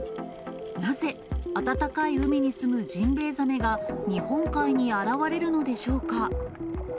なぜ、暖かい海に住むジンベエザメが、日本海に現れるのでしょうか。